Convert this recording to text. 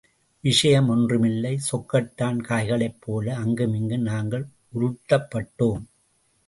விஷயம் ஒன்றுமில்லை, சொக்கட்டான் காய்களைப்போல அங்குமிங்கும் நாங்கள் உருட்டப்பட்டோம்.